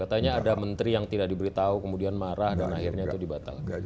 katanya ada menteri yang tidak diberitahu kemudian marah dan akhirnya itu dibatalkan